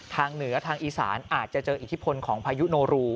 เหนือทางอีสานอาจจะเจออิทธิพลของพายุโนรู